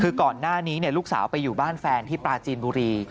วันนี้ลูกสาวไปอยู่บ้านแฟนที่ปราจีนบุรี